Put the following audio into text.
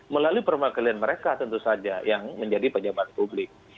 melalui perwakilan mereka tentu saja yang menjadi pejabat publik